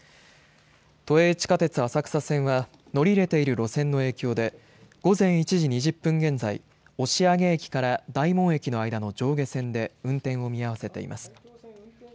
都営地下鉄、浅草線は乗り入れている路線の影響で午前１時２０分現在押上駅から大門駅の間の上下線で運転を見合わせています。